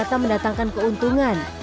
mereka mendatangkan keuntungan